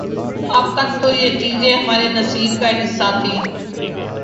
اب تک تو یہ چیزیں ہمارے نصیب کا حصہ تھیں۔